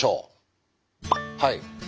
はい。